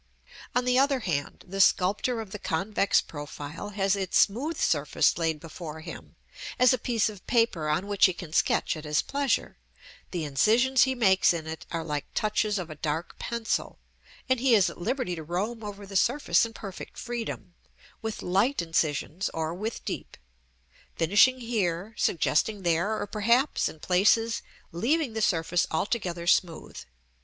On the other hand, the sculptor of the convex profile has its smooth surface laid before him, as a piece of paper on which he can sketch at his pleasure; the incisions he makes in it are like touches of a dark pencil; and he is at liberty to roam over the surface in perfect freedom, with light incisions or with deep; finishing here, suggesting there, or perhaps in places leaving the surface altogether smooth.